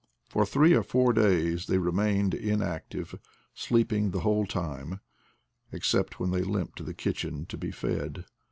For three or four days they re mained inactive, sleeping the whole time, except when they limped to the kitchen to be fed.